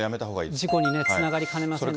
事故につながりかねませんので。